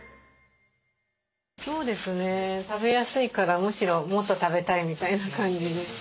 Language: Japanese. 食べやすいからむしろもっと食べたいみたいな感じに。